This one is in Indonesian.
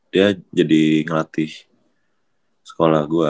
dia jadi ngelatih sekolah gue